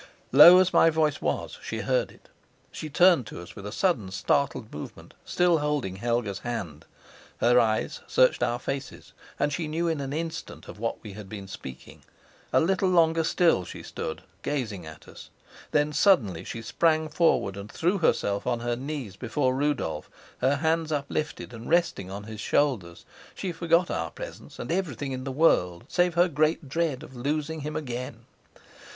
Low as my voice was, she heard it. She turned to us with a sudden, startled movement, still holding Helga's hand. Her eyes searched our faces, and she knew in an instant of what we had been speaking. A little longer still she stood, gazing at us. Then she suddenly sprang forward and threw herself on her knees before Rudolf, her hands uplifted and resting on his shoulders. She forgot our presence, and everything in the world, save her great dread of losing him again.